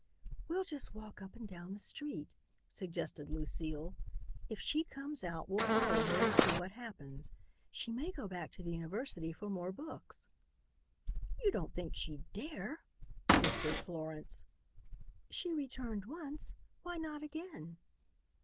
"We'll just walk up and down the street," suggested Lucile. "If she comes out we'll follow her and see what happens. She may go back to the university for more books." "You don't think she'd dare?" whispered Florence. "She returned once, why not again?"